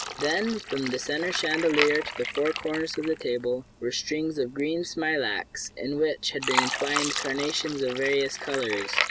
Then, from the centre chandelier to the four corners of the table, were strings of green smilax in which had been entwined carnations of various colors.